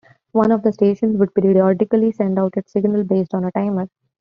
One of the stations would periodically send out its signal based on a timer.